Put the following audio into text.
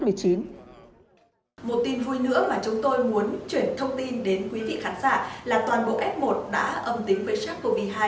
một tin vui nữa mà chúng tôi muốn chuyển thông tin đến quý vị khán giả là toàn bộ f một đã âm tính với sars cov hai